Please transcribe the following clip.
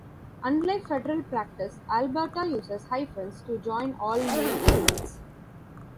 Unlike federal practice, Alberta uses hyphens to join all name elements.